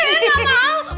ih gak mau